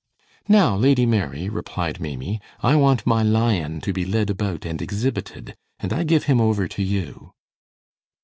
"Now, Lady Mary," replied Maimie, "I want my lion to be led about and exhibited, and I give him over to you."